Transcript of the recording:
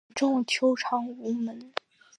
民众求偿无门